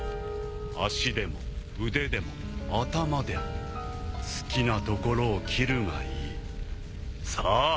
足でも腕でも頭でも好きな所を斬るがいい。さあ！